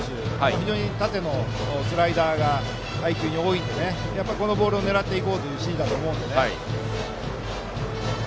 非常に縦のスライダーが配球に多いのでこのボールを狙っていこうという指示だと思います。